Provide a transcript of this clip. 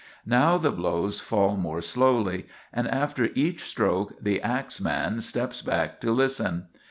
Now the blows fall more slowly, and after each stroke the ax man steps back to listen.